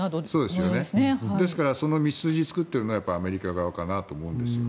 ですからその道筋を作っているのはアメリカかなと思うんです。